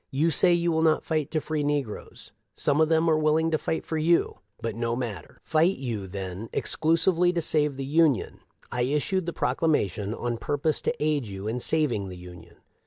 *" You say you will not fight to free negroes. Some of them seem willing to fight for you ; but no matter. * See note p. 540. 5S4 I'HE LIPS OP LINCOLU. " Fight you, then, exclusively to save the Union. I issued the proclamation on purpose to aid you in saving the Union.